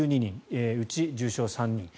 うち重症は３人。